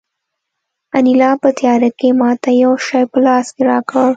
انیلا په تیاره کې ماته یو شی په لاس کې راکړ